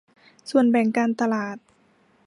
ส่วนแบ่งการตลาด